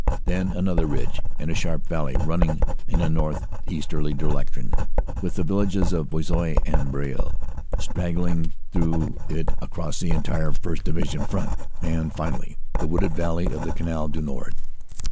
Then another ridge, and a sharp valley running in a north easterly direction, with the villages of Buissy and Baralle straggling through it across the entire 1st. Division front. And finally the wooded valley of the Canal du Nord.